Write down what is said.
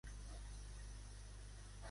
Què va ser Buxèntum?